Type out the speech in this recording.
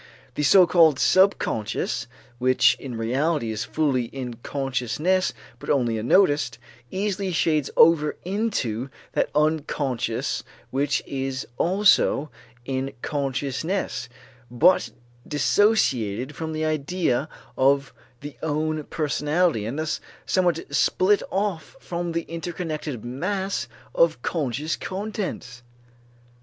The so called subconscious, which in reality is fully in consciousness but only unnoticed, easily shades over into that unconscious which is also in consciousness but dissociated from the idea of the own personality and thus somewhat split off from the interconnected mass of conscious contents.